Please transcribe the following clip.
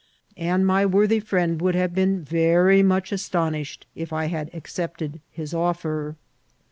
And my worthy friend would have been very much astonished if I had accepted his offer.